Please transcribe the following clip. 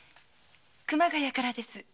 熊谷からです。